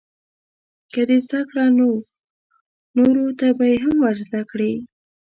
که دې زده کړه نو نورو ته به یې هم ورزده کړې.